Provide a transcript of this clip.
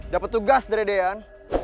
dapet tugas dari deyan